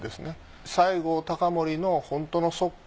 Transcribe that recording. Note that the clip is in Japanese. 西郷隆盛のホントの側近。